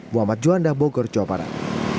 muhammad johan dabogor jawa barat